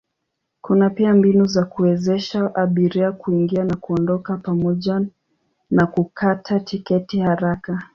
Kuna pia mbinu za kuwezesha abiria kuingia na kuondoka pamoja na kukata tiketi haraka.